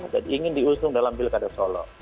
ingin diusung dalam pilkada solo